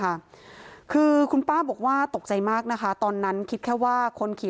ค่ะคือคุณป้าบอกว่าตกใจมากนะคะตอนนั้นคิดแค่ว่าคนขี่